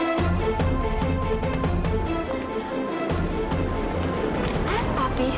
ada apa ini